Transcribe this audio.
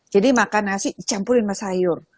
jadi makan nasi dicampurin sama sayur